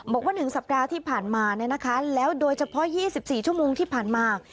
บอกว่า๑สัปดาห์ที่ผ่านมาแล้วโดยเฉพาะ๒๔ชั่วโมงที่ผ่านมา